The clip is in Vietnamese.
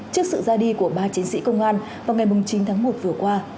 trước sự ra đi của ba chiến sĩ công an vào ngày chín tháng một vừa qua